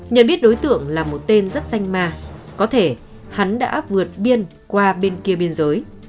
nhận biết đối tượng là một tên rất danh ma có thể hắn đã vượt biên qua bên kia biên giới